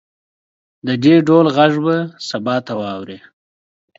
د دې ډول غږ به سبا ته واورئ